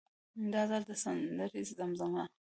دا ځل د سندرې زمزمه.